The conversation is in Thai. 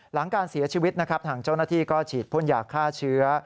หลังการเสียชีวิตนะครับทางเจ้าหน้าที่ก็ฉีดพ่นยาฆ่าเชื้อ